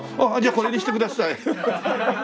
ああじゃあこれにしてください。